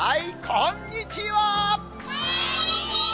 こんにちは。